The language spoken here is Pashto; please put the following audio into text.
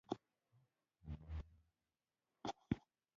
• دا انقلاب د انسانانو ژوند ته بدلون ورکړ.